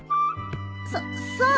そそう。